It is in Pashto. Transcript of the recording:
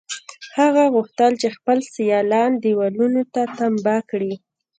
هغه غوښتل چې خپل سیالان دېوالونو ته تمبه کړي